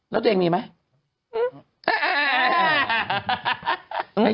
แล้วตัวเองมีมั้ย